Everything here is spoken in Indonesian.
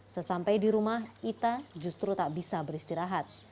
sesampai di rumah ita justru tak bisa beristirahat